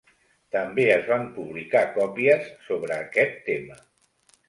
També es van publicar coples sobre aquest tema.